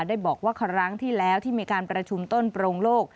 ได้บอกว่าครั้งที่แล้วที่มีการประชุมต้นโปรงโลก